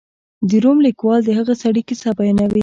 د روم لیکوال د هغه سړي کیسه بیانوي.